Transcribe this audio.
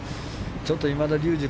ちょっと今田竜二